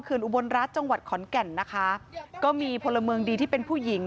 อุบลรัฐจังหวัดขอนแก่นนะคะก็มีพลเมืองดีที่เป็นผู้หญิง